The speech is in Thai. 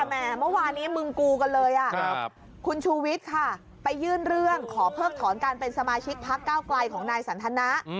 แหมเมื่อวานนี้มึงกูกันเลยคุณชูวิทย์ค่ะไปยื่นเรื่องขอเพิกถอนการเป็นสมาชิกพักเก้าไกลของนายสันทนะ